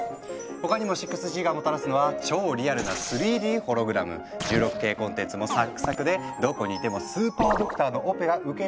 他にも６Ｇがもたらすのは超リアルな３Ｄホログラム１６Ｋコンテンツもサックサクでどこにいてもスーパードクターのオペが受けれちゃう未来なんです。